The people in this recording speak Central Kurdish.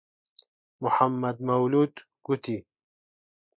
محەممەد مەولوود گوتی: